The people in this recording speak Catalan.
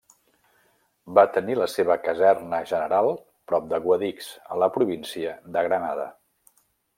Va tenir la seva caserna general prop de Guadix, a la província de Granada.